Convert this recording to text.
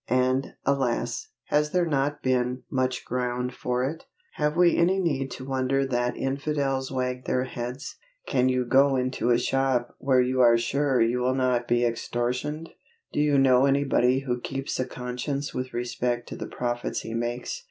and, alas! has there not been much ground for it? Have we any need to wonder that infidels wag their heads? Can you go into a shop where you are sure you will not be extortioned? Do you know anybody who keeps a conscience with respect to the profits he makes?